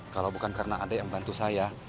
kalau bukan karena ada yang bantu saya